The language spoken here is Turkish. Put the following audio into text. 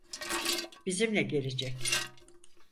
Bizimle gelecek.